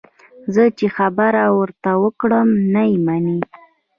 زه چې خبره ورته وکړم، نه یې مني.